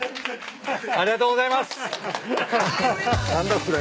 ありがとうございます。